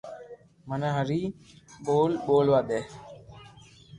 مني ھري ٻول ٻولوا دي